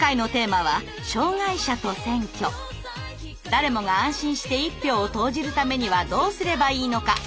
誰もが安心して一票を投じるためにはどうすればいいのか。